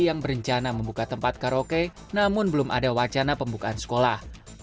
yang berencana membuka tempat karaoke namun belum ada wacana pembukaan sekolah